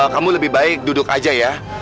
kamu lebih baik duduk aja ya